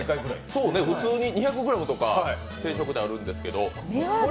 普通に２００ｇとか定食であるんですけど。